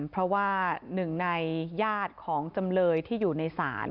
เพราะว่าหนึ่งในญาติของจำเลยที่อยู่ในศาล